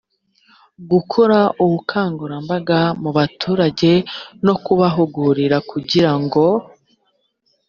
gukora ubukangurambaga mu baturage no kubahugura kugira ngo